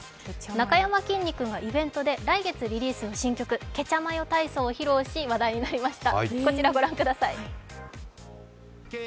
なかやまきんに君がイベントで来月リリースの新曲、「ケチャマヨ体操」を披露し、話題になりました。